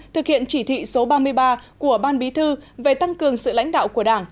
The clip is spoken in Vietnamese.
thực hiện chỉ thị số ba mươi ba của ban bí thư về tăng cường sự lãnh đạo của đảng